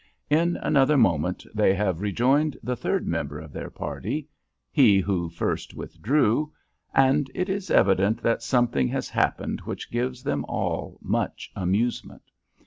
In another moment they have rejoined the third member of their party, he who first withdrew, and it is evident that something has happened which gives them all much amusement.